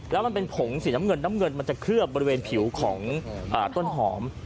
แล้วมันเป็นผงสีน้ำเงินน้ำเงินมันจะเคลือบบริเวณผิวของต้นหอม